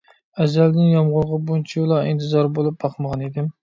ئەزەلدىن يامغۇرغا بۇنچىلا ئىنتىزار بولۇپ باقمىغان ئىدىم.